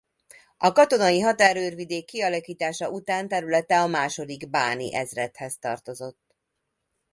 A katonai határőrvidék kialakítása után területe a második báni ezredhez tartozott.